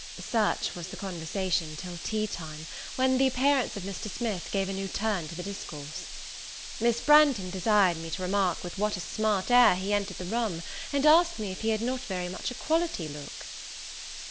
Such was the conversation till tea time, when the appearance of Mr. Smith gave a new turn to the discourse. Miss Branghton desired me to remark with what a smart air he entered the room, and asked me if he had not very much a quality look?